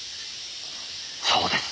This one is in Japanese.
そうです。